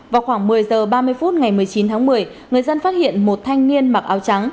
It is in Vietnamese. vào khoảng một mươi h ba mươi phút ngày một mươi chín tháng một mươi người dân phát hiện một thanh niên mặc áo trắng